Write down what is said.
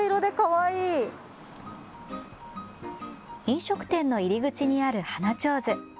飲食店の入り口にある花ちょうず。